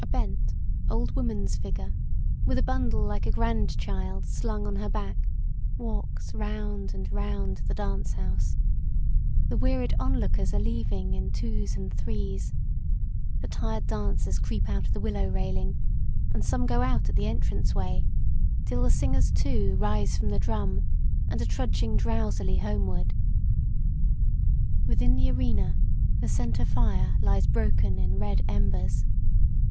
A bent old woman's figure, with a bundle like a grandchild slung on her back, walks round and round the dance house. The wearied onlookers are leaving in twos and threes. The tired dancers creep out of the willow railing, and some go out at the entrance way, till the singers, too, rise from the drum and are trudging drowsily homeward. Within the arena the center fire lies broken in red embers.